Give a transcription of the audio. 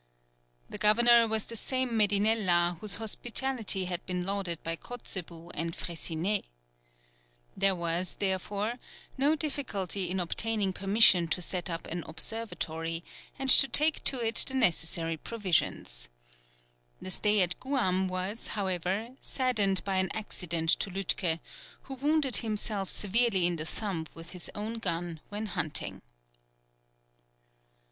The governor was the same Medinella whose hospitality had been lauded by Kotzebue and Freycinet. There was, therefore, no difficulty in obtaining permission to set up an observatory, and to take to it the necessary provisions. The stay at Guam was, however, saddened by an accident to Lütke, who wounded himself severely in the thumb with his own gun when hunting.